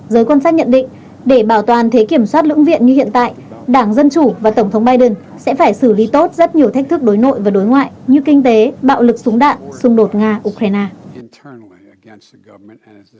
giới quan sát nhận định để bảo toàn thế kiểm soát lưỡng viện như hiện tại đảng dân chủ và tổng thống biden sẽ phải xử lý tốt rất nhiều thách thức đối nội và đối ngoại như kinh tế bạo lực súng đạn xung đột nga ukraine